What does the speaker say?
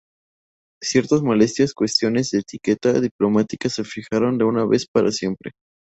Ciertas molestias cuestiones de etiqueta diplomática se fijaron de una vez para siempre.